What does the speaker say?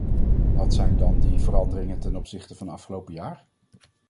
Wat zijn dan die veranderingen ten opzichte van afgelopen jaar?